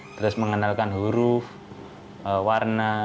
terus mengenalkan huruf warna